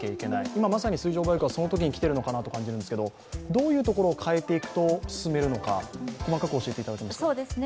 今まさに水上バイクはその時に来ているのかなと感じますが、どういうところを変えていくと進めるのか、細かく教えていただけますか？